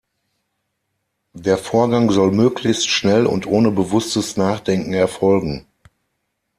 Der Vorgang soll möglichst schnell und ohne bewusstes Nachdenken erfolgen.